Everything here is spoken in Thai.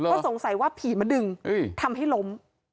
ก็สงสัยว่าผีมาดึงทำให้ล้ม